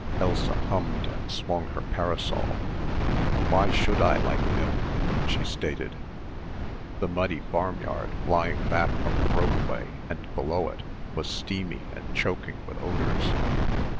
Elsa hummed and swung her parasol. "Why should I like milk?" she stated. The muddy farmyard, lying back from the roadway and below it, was steamy and choking with odours.